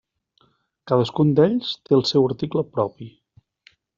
Cadascun d'ells té el seu article propi.